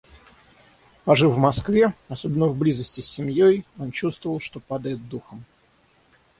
Пожив в Москве, особенно в близости с семьей, он чувствовал, что падает духом.